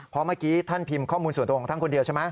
เพราะเมื่อกี้ท่านพิมพ์ข้อมูลส่วนตัวของท่านคนเดียวใช่ไหม